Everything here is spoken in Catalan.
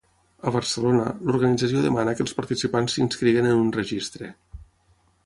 A Barcelona, l’organització demana que els participants s’inscriguin en un registre.